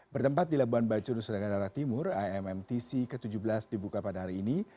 bertempat di labuan bacurus negara timur ammtc ke tujuh belas dibuka pada hari ini